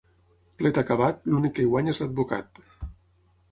Plet acabat, l'únic que hi guanya és l'advocat.